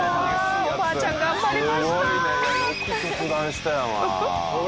おばあちゃん頑張りました。